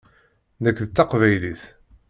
Nekk d taqbaylit.